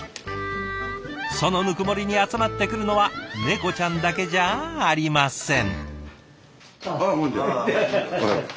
その温もりに集まってくるのは猫ちゃんだけじゃありません。